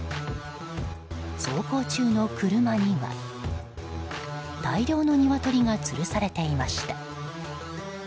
走行中の車には大量のニワトリがつるされていました。